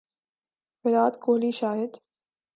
Virat Kohli Shahid